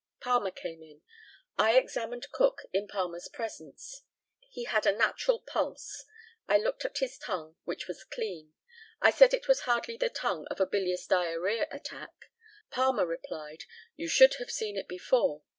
Palmer came in. I examined Cook in Palmer's presence. He had a natural pulse. I looked at his tongue, which was clean. I said it was hardly the tongue of a bilious diarrhœa attack. Palmer replied "You should have seen it before."